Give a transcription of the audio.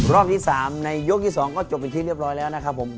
รอบที่๓ในยกที่๒ก็จบเป็นที่เรียบร้อยแล้วนะครับผม